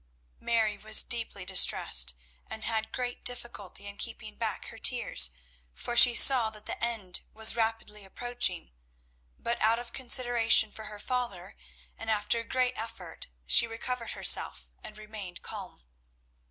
Mary was deeply distressed, and had great difficulty in keeping back her tears, for she saw that the end was rapidly approaching. But out of consideration for her father, and after a great effort, she recovered herself, and remained calm.